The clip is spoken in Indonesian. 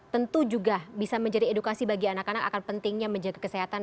tentu juga bisa menjadi edukasi bagi anak anak akan pentingnya menjaga kesehatan